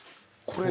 これ。